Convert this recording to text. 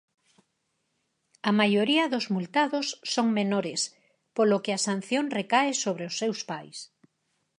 A maioría dos multados son menores, polo que a sanción recae sobre seus pais.